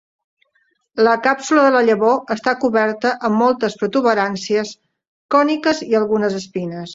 La càpsula de la llavor està coberta amb moltes protuberàncies còniques i algunes espines.